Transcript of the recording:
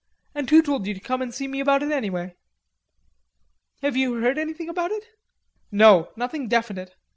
And who told you to come and see me about it, anyway?" "Have you heard anything about it?" "No, nothing definite.